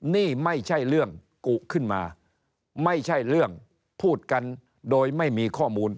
นี่ไม่ใช่เรื่องกุขึ้นมาไม่ใช่เรื่องพูดกันโดยไม่มีข้อมูล